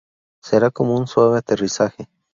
Será como un suave aterrizaje.